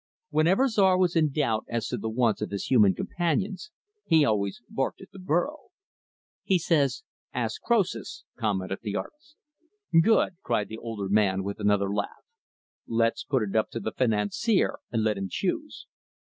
Whenever Czar was in doubt as to the wants of his human companions he always barked at the burro. "He says, 'ask Croesus'," commented the artist. "Good!" cried the older man, with another laugh. "Let's put it up to the financier and let him choose."